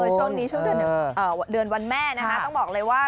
ช่วงนี้ช่วงเดือนวันแม่นะคะต้องบอกเลยว่า